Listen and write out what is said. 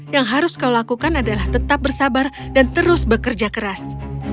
yang harus kau lakukan adalah tetap bersabar dan terus bekerja keras